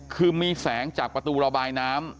คือมีแสงจากประตูระบายน้ำ